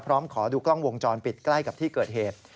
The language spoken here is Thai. ขอดูกล้องวงจรปิดใกล้กับที่เกิดเหตุ